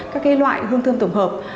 các cái loại hương thơm tổng hợp